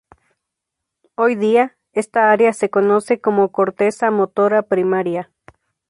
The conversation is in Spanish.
Hoy día, esta área se conoce como corteza motora primaria.